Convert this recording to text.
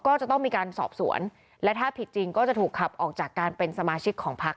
ก็จะต้องมีการสอบสวนและถ้าผิดจริงก็จะถูกขับออกจากการเป็นสมาชิกของพัก